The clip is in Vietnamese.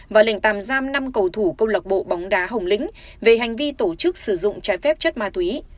và lệnh tàm giam năm cầu thủ cộng lộc bộ bóng đá hồng lĩnh về hành vi tổ chức sử dụng trái phép chất ma túy